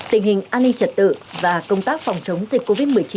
tình hình an ninh trật tự và công tác phòng chống dịch covid một mươi chín